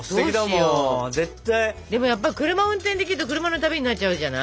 でもやっぱり車運転できると車の旅になっちゃうじゃない？